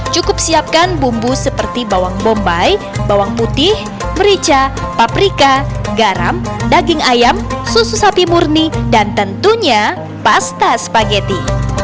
cukup siapkan bumbu seperti bawang bombay bawang putih merica paprika garam daging ayam susu sapi murni dan tentunya pasta spageti